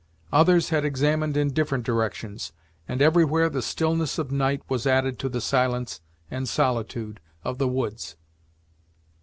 Others had examined in different directions, and everywhere the stillness of night was added to the silence and solitude of the woods.